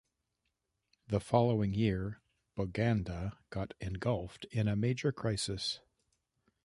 The following year Buganda got engulfed in a major crisis.